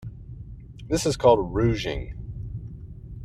This is called rouging.